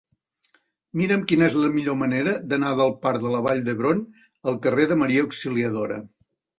Mira'm quina és la millor manera d'anar del parc de la Vall d'Hebron al carrer de Maria Auxiliadora.